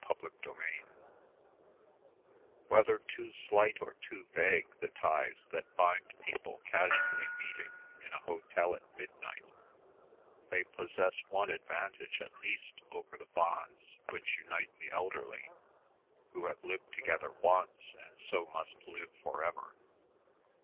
CHAPTER XV Whether too slight or too vague the ties that bind people casually meeting in a hotel at midnight, they possess one advantage at least over the bonds which unite the elderly, who have lived together once and so must live for ever.